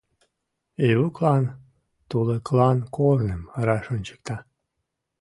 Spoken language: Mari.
Ивуклан Тулыклан Корным раш ончыкта.